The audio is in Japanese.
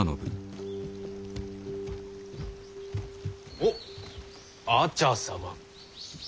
おっ阿茶様。